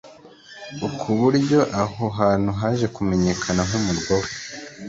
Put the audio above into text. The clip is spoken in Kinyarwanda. ku buryo aho hantu haje kumenyekana nk’ “umurwa we